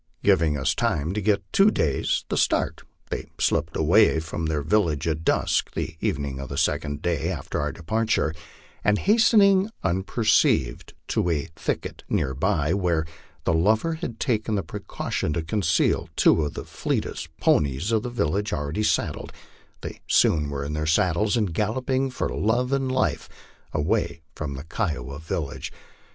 Giving us time to get two days the Btart, they slipped away from their village at dusk the evening of the second day after our departure, and hastening unperceived to a thicket near by, where the lover had taken the precaution to conceal two of the fleetest ponies of the village already saddled, they were soon in their saddles and galloping for love and life away from the Kiowa village.